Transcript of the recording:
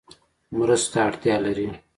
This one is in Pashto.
مرستو ته اړتیا لري